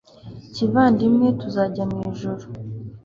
kivandimwe, tuzajya mu ijuru